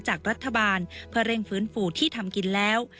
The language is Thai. จากรัฐบาลเพื่อเร่งฟื้นฟูที่ทำกินแล้ว